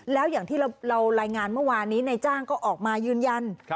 แล้วอย่างที่เรารายงานเมื่อวานนี้ในจ้างก็ออกมายืนยัน